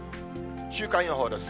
週間予報です。